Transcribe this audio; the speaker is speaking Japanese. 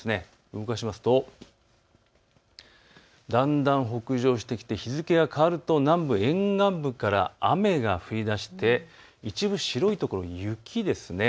動かすとだんだん北上してきて日付が変わると南部沿岸部から雨が降りだして一部、白い所、雪ですね。